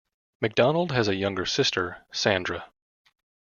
McDonald has a younger sister, Sandra.